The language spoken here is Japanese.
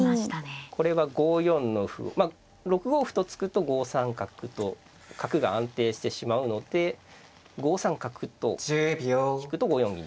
これは５四の歩まあ６五歩と突くと５三角と角が安定してしまうので５三角と引くと５四銀と。